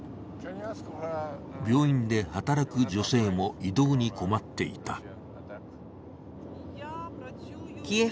病院で働く女性も移動に困っていた。